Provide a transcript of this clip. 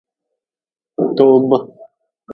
Toob.